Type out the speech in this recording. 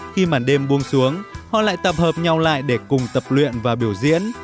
khi màn đêm buông xuống họ lại tập hợp nhau lại để cùng tập luyện và biểu diễn